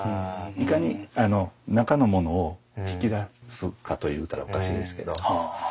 いかに中のものを引き出すかと言うたらおかしいですけど。